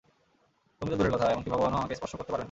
তুমি তো দূরের কথা, এমনকি ভগবানও আমাকে স্পর্শ করতে পারবেন না।